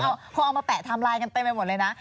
พอเอามาแปะไทม์ไลน์กันเต็มไปหมดเลยนะ